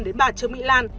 đến bà trương mỹ lan